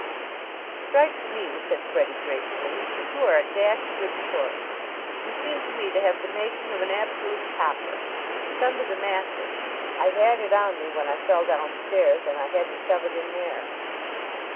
"It strikes me," said Freddie gratefully, "that you are a dashed good sort. You seem to me to have the making of an absolute topper! It's under the mattress. I had it on me when I fell downstairs and I had to shove it in there."